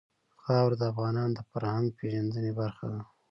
خاوره د افغانانو د فرهنګي پیژندنې برخه ده.